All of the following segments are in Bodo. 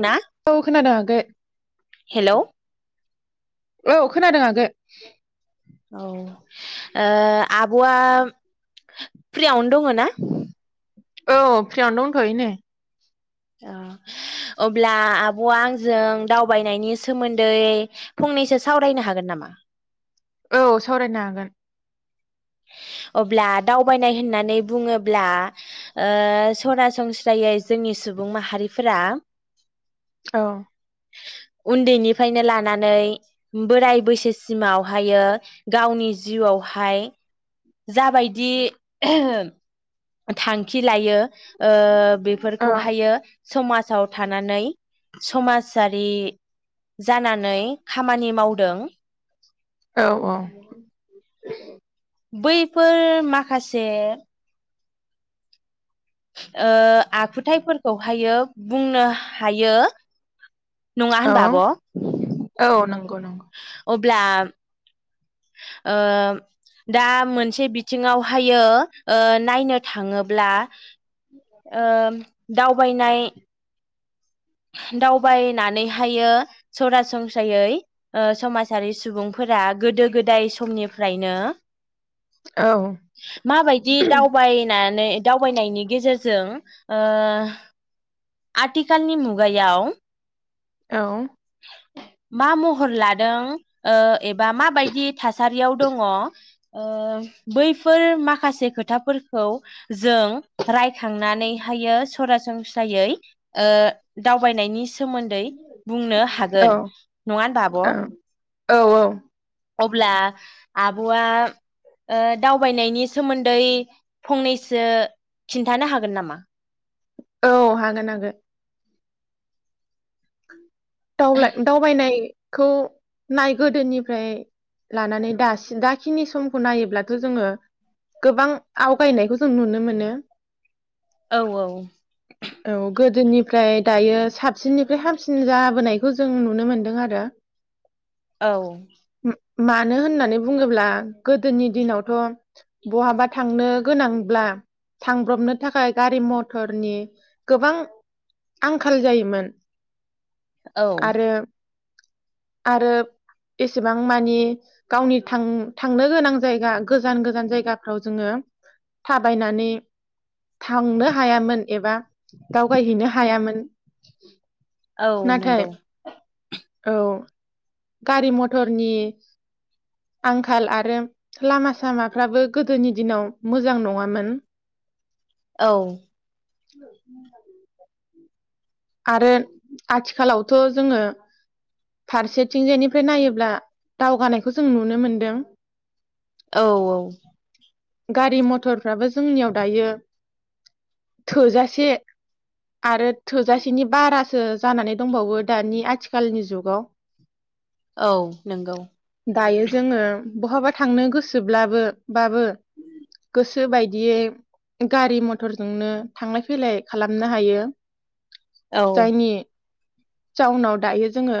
ना औ खोनदों ए हेलौ औ खोनादों आगो औ ओह आब'आ फ्रियावनो दङ ना औ फ्रिनो दंथ'यो नै अ अब्ला आब'आ आंजों दावबायनायनि सोमोन्दै फंनैसो सावरायनो हागोन नामा औ सावरायनो हागोन अब्ला दावबायनाय होननानै बुङोब्ला ओह सरासनस्रायै जोंनि सुबुं माहारिफोरा औ उन्दैनिफ्रायनो लानानै बोराय बैसोसिमावहायो गावनि जिउआवहाय जाबायदि थांखि लायो ओह औ बेफोरखौहायो समाजाव थानानै समाजारि जानानै खामानि मावदों औ औ बैफोर माखासे ओ आखुथायफोरखौहायो बुंनो हायो नङा औ होनबा आब' औ नंगौ नंगौ अब्ला अ ओह दा मोनसे बिथिङावहायो नायनो थाङोब्ला ओ दावबायनि नाय। दावबायनानै हायो। सरासनस्रायै समाजारि सुबुंफोरा गोदो गोदाय समनिफ्रायनो। औ माबायदि दावबायना। दावबायनायनि गेजेरजों। आथिखालनि मुगायाव। औ। मा महर लादों। एबा माबायदि थासारियाव दङ। बैफोर माखासे खोथाफोरखौ जों रायखांनानैहायो सरासनस्रायै दावबायनायनि। सोमोन्दै। नो औ हागोन नङा होनबा आब'। औ औ अब्ला आब'आ दावबायनायनि सोमोन्दै फंनैसो खिन्थानो हागोन नामा। औ हागोन हागोन। [unintelligible] दावबायनाय। खौ नाय गोदोनिफ्राय लानानै दासि दाखिनि समखौ नायोब्लाथ' जोङो गोबां आवगायनायखौ जों नुनो मोनो। औ औ। औ गोदोनिफ्राय दायो साबसिननि। फ्राय हामसिन जाबोनायखौ जों नुनो मोनदों आरो। औ। मानो होननानै बुङोब्ला गोदोनि दिनावथ' बहाबा थांनो गोनांब्ला थांब्रबनो थाखाय गारि मथरनि गोबां आंखाल जायोमोन। औ। आरो आरो एसेबां मानि गावनि थां थांनो गोनां जायगा गोजान गोजान जायगाफ्राव जोङो थाबायनानै। थांनो हायामोन एबा दावगायहैनो हायामोन। [unintelligible] औ नाथाय नंगौ। औ गारि मथरनि आंखाल आरो लामा सामाफ्राबो गोदोनि दिनाव मोजां नङामोन। औ। [unintelligible] आरो आथिखालावथ' जोङो फारसेथिंजायनिफ्राय नायोब्ला दावगानायखौ जों नुनो मोनदों। औ औ। गारि मथर। फोराबो जोंनियाव दायो। थोजासे आरो थोजासेनि बारासो जानानै दंबावो दानि आथिखालनि जुगाव। औ नंगौ दायो जोङो। बहाबा थांनो गोसोब्लाबो बाबो गोसो बायदियै गारि मथरजोंनो थांलाय फैलाय खालामनो हायो। औ जायनि जाउनाव दायो जोंङो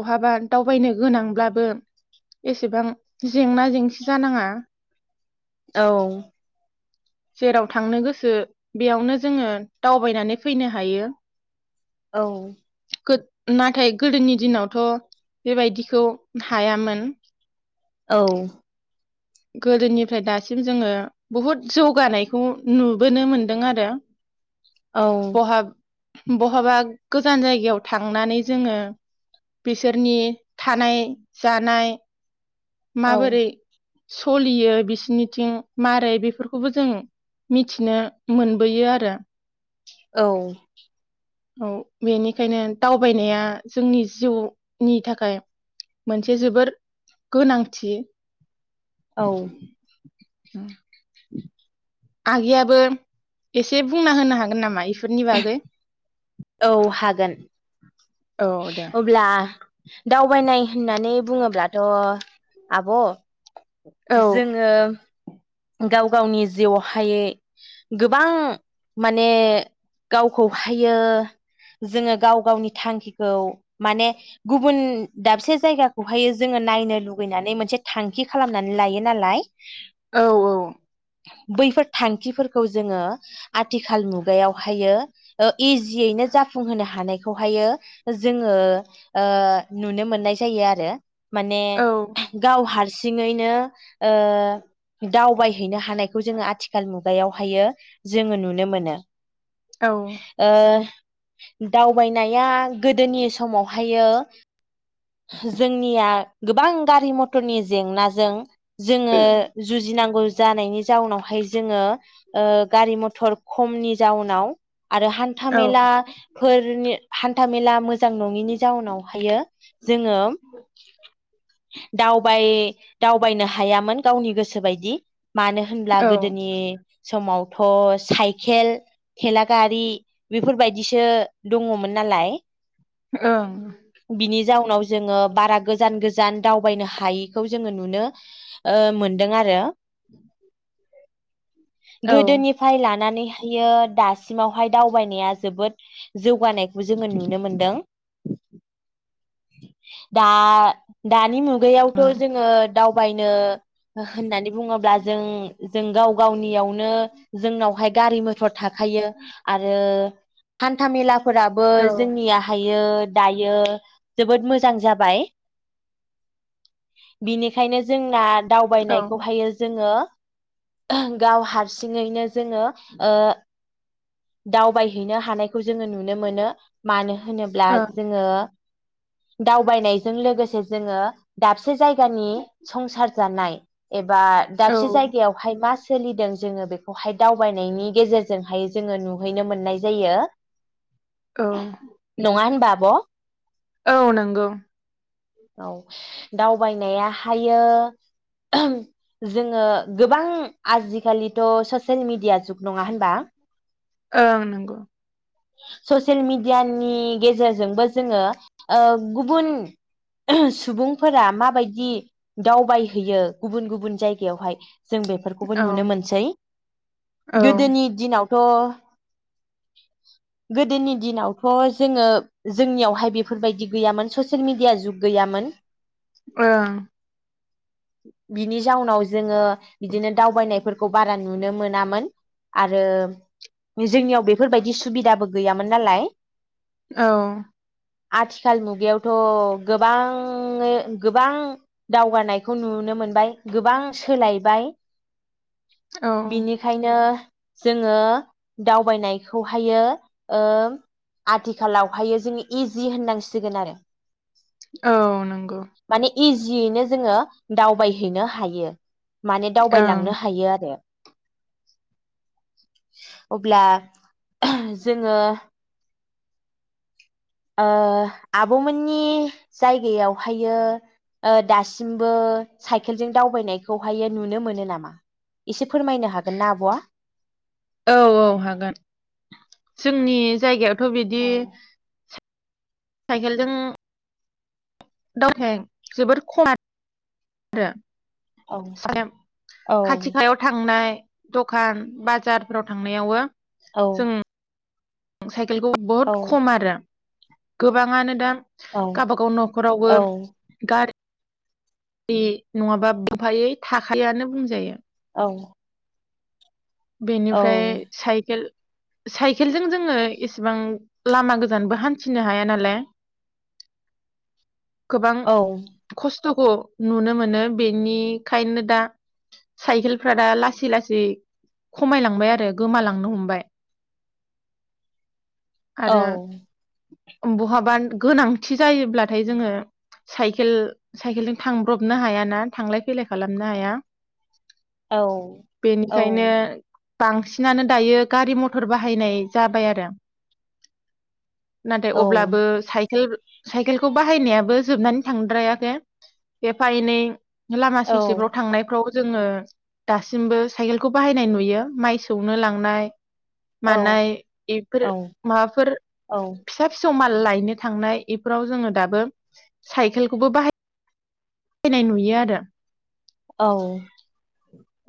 बहाबा दावबायनो गोनांब्लाबो एसेबां जेंना जेंसि जानाङा। औ जेराव थांनो गोसो बेयावनो जोंङो दावबायनानै फैनो हायो। औ खोद नाथाय गोदोनि दिनावथ' बेबायदिखौ हायामोन। औ गोदोनिफ्राय दासिम जोंङो बुहुद जौगानायखौ नुबोनो मोनदों आरो। औ बहाब बहाबा गोजान जायगायाव थांनानै जोंङो बिसोरनि थानाय जानाय माबोरै सलियो बिसिनिथिं मारै बेफोरखौबो जों मिथिनो मोनबोयो आरो। औ औ बेनिखायनो दावबायनाया जोंनि जिउनि थाखाय मोनसे जोबोर गोनांथि। औ उम [inaudible] आगैयाबो एसे बुंना होनो हागोन नामा इफोरनि बागै? औ हागोन औ दे। अब्ला दावबायनाय होननानै बुङोब्लाथ' आब' औ जोंङो गाव गावनि जिउआवहाय गोबां माने गावखौहायो जोंङो गाव गावनि थांखिखौ माने गुबुन दाबसे जायगाखौहायो जोंङो नायनो लुगैनानै मोनसे थांखि खालामनानै लायो नालाय। औ बैफोर थांखिफोरखौ जोंङो आथिखाल मुगायावहायो ओ इजियैनो जाफुंहोनो हानायखौहायो जोंङो ओ नुनो मोननाय जायो आरो। माने औ गाव हार सिङैनो ओ दावबायहैनो हानायखौ जोंङो आथिखाल मुगायावहायो जोंङो नुनो मोनो। औ ओं ओ दावबायनाया गोदोनि समावहायो जोंनिया गोबां गारि मथरनि जेंनाजों जोंङो जुजिनांगौ जानायनि जाउनावहाय जोंङो ओ गारि मथर खमनि जाउनाव आरो हान्था औ मेला फोर‌ हान्थाामेला मोजां नङिनि जाउनावहायो जोंङो दावबाय दावबायनो हायामोन गावनि गोसो बायदि। मानो होनब्ला औ गोदोनि समावथ साइकेल थेला गारि बेफोरबायदिसो दंङमोन नालाय ओं बिनि जाउनाव जोंङो बारा गोजान-गोजान दावबायनो हायिखौ जोंङो नुनो ओ मोनदों आरो। [inaudible] गोदोनिफ्राय लानानै बेयो दासिमावहाय दावबायनाया जोबोद जौगानायखौ जोंङो नुनो मोनदों। दा दानि मु मायावथ जोंङो दावबायनो होननानै बुंङोब्ला जों जों गाव गावनियावनो जोंनावहाय गारि मथर थाखायो आरो हान्था मेला फोराबो ओं जोंनिया हायो दा बियो जोबोद मोजां जाबाय बिनि खायनो जोंना दावबायनायखौहाय जोंङो गाव हारसिङैनो जोंङो ओ दावबायहैनो हानायखौ जोंङो नुनो मोनो मानो होनोब्ला औ जोंङो दावबायनायजों लोगोसे जोङो दाबसे जायगानि संसार जानाय एबा दाबसे जायगायावहाय मास सोलिदों जोंङो बेखौहाय दावबायनायनि गेजेरजोंहाय जोङो नुहैनो मोननाय जायो। औ नङा होनबा? ब औ नोंगौ। औ दावबायनायाहायो जोङो गोबां आजिखालिथ' ससियेल मिडिया जुग नङा होनबा? ओ नोंगौ। ससियेल मिडियानि गेजेरजोंबो जोङो गुबुन सुबुंफोरा माबायदि दावबायहैयो गुबुन गुबुन जायगायावहाय जों बेफोरखौबो औ नुनो मोनसै औ ओं गोदोनि दिनाव थ गोदोनि दिनावथ' जोंङो जोंनियावहाय बेफोरबायदि गैयामोन ससियेल मिडिया जुग गैयामोन। ओ। बिनि जाउनाव जोङो बिदिनो दावबायनायफोरखौ बारा नुनो मोनामोन आरो। जोंनियाव बेफोरबायदि सुबिदाबो गैयामोन नालाय औ। आथिखाल मुगायावथ' गोबां गोबां दावगानायखौ नुनो मोनबाय गोबां सोलायबाय। बिनिखायनो जोङो दावबायनायखौहायो ओ आथिखालावहायो जोङो इजि होननांसिगोन आरो। औ नंगौ। माने इजियैनो जोङो दावबायहैनो हायो। माने ओं दावबायलांनो हायो आरो। अब्ला जोङो ओ आब'मोननि जायगायावहायो ओ दासिमबो साइकेलजों दावबायनायखौहाय नुनो मोनो नामा एसे फोरमायनो हागोन ना आब'आ? औ औ हागोन जोंनि जायगायाव थ बिदि औ साइकेलजों [unintelligible] औ औ खाथिखायाव थांनाय दखान बाजारफोराव थांनायावबो औ। साइ साइकेलखौ बहुत खम आरो। गोबाङानो दा गावबा गाव औ न'खरावबो गारि बे नङाबा गंफायै थाखायानो बुंजायो। औ बेनिफ्राय औ साइकेल साइकेलजों जोङो एसेबां लामा गोजानबो हान्थिनो हाया नालाय गोबां औ खस्थ' खस्थ'खौ नुनो मोनो बेनिखायनो दा साइकेलफ्रा दा लासै लासै खमायलांबाय आरो गोमालांनो हमबाय औ आरो बहाबा गोनांथि जायोब्लाथाय जोङो साइकेल साइकेलजों थांब्रबनो हायाना थांलाय फैलाय खालामनो हाया औ ओंखायनो बांसिनानो दायो गारि मथर बाहायनाय जाबाय आरो नाथाय औ अब्लाबो साइकेल साइकेलखौ बाहायनायाबो जोबनानै थांद्रायाखै एफा एनै लामा ससेफ्राव थांनायफ्राव जोङो दासिमबो साइकेलखौ बाहायनाय नुयो माइ सौनो लांनाय औ मानाय इफोर औ माबाफोर फिसा फिसौ माल लायनो थांनाय इफोराव जोङो दाबो साइकेलखौबो बाहायनाय नुयो आरो औ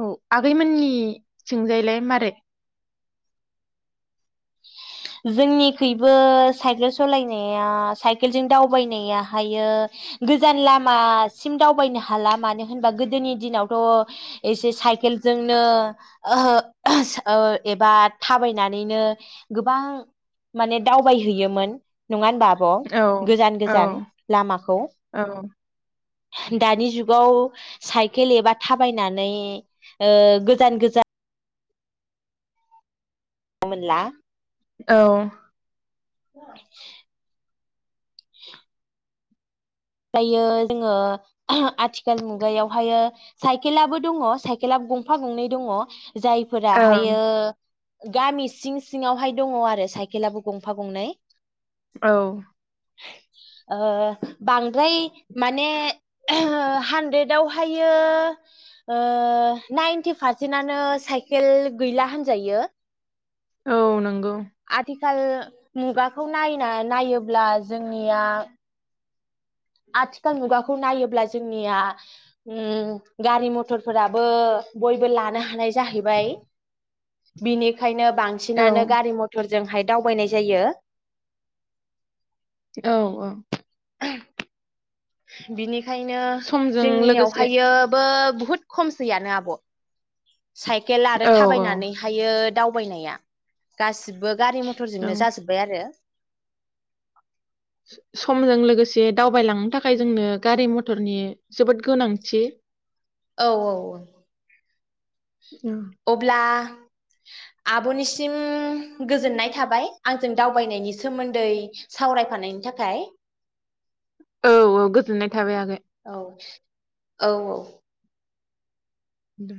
औ आगैमोननि थिंजायलाय मारै? जोंनिखैबो साइकेल सालायनाया साइकेलजों दावबायनायाहायो गोजान लामासिम दावबायनो हाला मानो होनबा गोदोनि दिनावथ' एसे साइकेलजोंनो अह अस अ एबा थाबायनानैनो गो- गोबां माने दावबायहैयोमोन नङा होनबा? औ अ गोजान औ गोजान लामाखौ दानि जुगाव साइकेल एबा थाबायनानै अ गोजान-गोजान मोनला औ औ [inaudible] [inaudible] फ्रायो जोङो आथिखाल मुगायावहायो साइकेलाबो दङ साइकेला गंफा गंनै दङ ओं जायफोराहायो गामि सिं सिङावहाय दङ आरो साइकेलाबो गंफा गंनै औ ओ बांद्राय माने हानद्रेदावहायो ओ नाइनटि पारसेन्टआनो साइकेल गैला होनजायो औ नंगौ आथि- खाल मुगाखौ नायना-नायोब्ला जोंनिया आथिखाल मुगाखौ नायोब्ला जोंनिया उम गारि मथरफोराबो बयबो लानो हानाय जाहैबाय बिनिखायनो औ बांसिनानो गारि मथर- जोंहाय दावबायनाय जायो औ औ [inaudible] बिनि- खायनो समजों लोगोसे जोंनियावहायो बो बुहुत खमसैयानो आब' साइकेल आरो औ औ थाबायनानैहायो दावबायनाया गासिबो गारि औ मथरजोंनो जाजोबबाय आरो [inaudible] समजों लोगोसे दावबायलांनो थाखाय जोंनो गारि मथरनि जोबोद गोनांथि। औ औ औ औ अब्ला आब'निसिम गोजोननाय थाबाय आंजों दावबायनायनि सोमोन्दै सावरायफानायनि थाखाय। गोजोन्नाय थाबाय आगै। औ औ औ दे